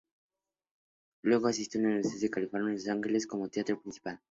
Luego asistió a la University of California, Los Angeles como teatro principal.